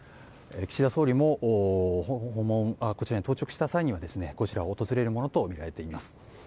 岸田総理もこちらに到着した際にはこちらを訪れるものとみられています。